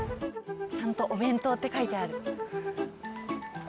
ちゃんとお弁当って書いてある。